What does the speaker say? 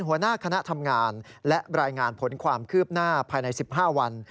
หัวหน้าคณะทำงานและรายงานผลความคืบหน้าภายใน๑๕วัน